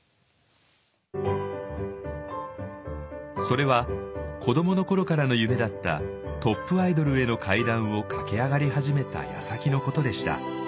それは子どもの頃からの夢だったトップアイドルへの階段を駆け上がり始めたやさきのことでした。